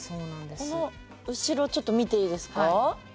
この後ろちょっと見ていいですか。